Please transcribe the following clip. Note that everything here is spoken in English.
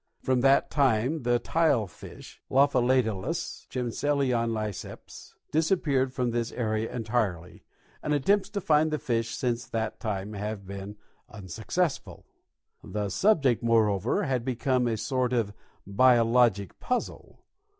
From that time the tile fish (Lophilatllus chamseleonlice'ps) disappeared from this area entirely, and attempts to find the fish since that time have been unsuccessful. The subject, moreover, had become a sort of biologic puzzle.